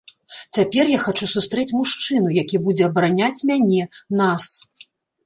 Цяпер я хачу сустрэць мужчыну, які будзе абараняць мяне, нас.